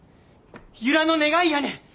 由良の願いやねん！